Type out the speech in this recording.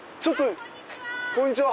こんにちは。